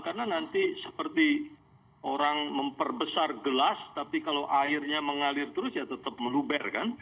karena nanti seperti orang memperbesar gelas tapi kalau airnya mengalir terus ya tetap meluber kan